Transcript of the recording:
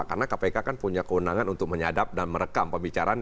karena kpk kan punya keundangan untuk menyadap dan merekam pembicaraan